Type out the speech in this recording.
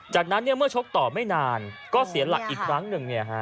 จากนั้นเนี่ยเมื่อชกต่อไม่นานก็เสียหลักอีกครั้งหนึ่งเนี่ยฮะ